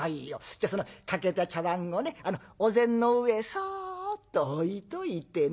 じゃあその欠けた茶碗をねお膳の上へそっと置いといてな。